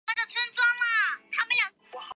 其反义字为不放逸。